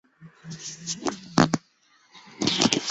高万斯早年在伦敦国王学院附属医院学医。